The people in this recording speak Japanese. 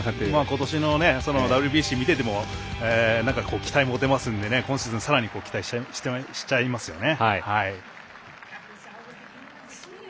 今年のＷＢＣを見ても期待持てますので、今シーズンさらに期待しちゃいますよね。